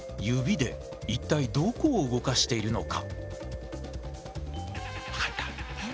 指で一体どこを動かしているのか？